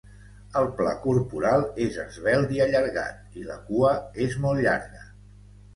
El pla corporal és esvelt i allargat i la cua és molt llarga.